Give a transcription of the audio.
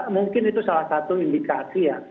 mungkin itu salah satu indikasi ya